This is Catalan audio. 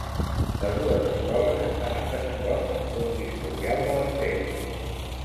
Les dues escoles estan en desacord amb tot l'historial de les sèries.